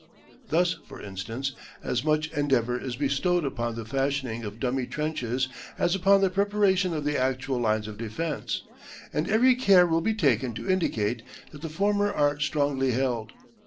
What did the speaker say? Thus, for instance, as much endeavour is bestowed upon the fashioning of dummy trenches as upon the preparation of the actual lines of defence. And every care will be taken to indicate that the former are strongly held.